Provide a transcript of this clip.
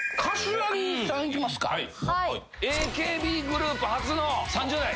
ＡＫＢグループ初の３０代。